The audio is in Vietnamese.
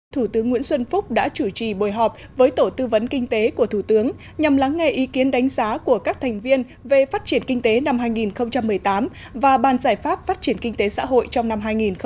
thủ tướng nguyễn xuân phúc đã chủ trì buổi họp với tổ tư vấn kinh tế của thủ tướng nhằm lắng nghe ý kiến đánh giá của các thành viên về phát triển kinh tế năm hai nghìn một mươi tám và ban giải pháp phát triển kinh tế xã hội trong năm hai nghìn một mươi chín